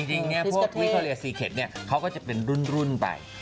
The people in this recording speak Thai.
จริงพวกวิคทรเลียสี่เข็บเนี่ยเขาก็จะเป็นรุ่นไป